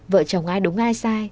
vợ chồng ai đúng ai sai